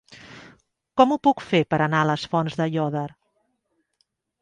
Com ho puc fer per anar a les Fonts d'Aiòder?